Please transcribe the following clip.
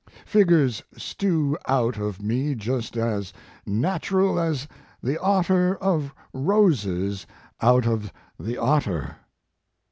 "Figures stew out of me just as natural as the otter of roses out of the otter."